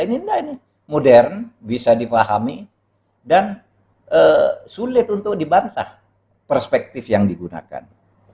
ini enggak ini modern bisa difahami dan sulit untuk dibantah perspektif yang digunakan